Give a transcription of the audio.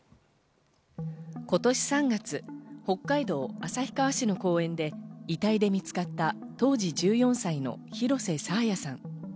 今年３月、北海道旭川市の公園で遺体で見つかった当時１４歳の廣瀬爽彩さん。